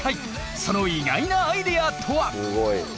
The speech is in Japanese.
その意外なアイデアとは！？